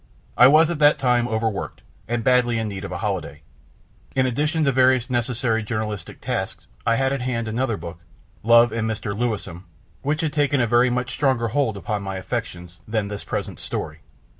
I was at that time overworked, and badly in need of a holiday. In addition to various necessary journalistic tasks, I had in hand another book, Love and Mr. Lewisham, which had taken a very much stronger hold upon my affections than this present story.